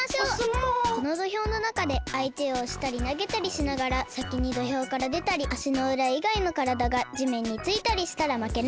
このどひょうのなかであいてをおしたりなげたりしながらさきにどひょうからでたりあしのうらいがいのからだがじめんについたりしたらまけね。